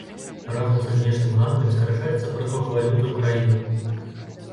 Разам са знешнім гандлем скарачаецца прыток валюты ў краіну.